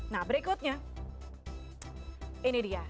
nah berikutnya ini dia